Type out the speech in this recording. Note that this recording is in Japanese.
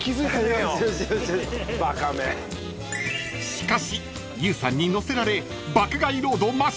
［しかしＹＯＵさんに乗せられ］